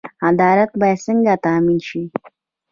عدالت باید څنګه تامین شي؟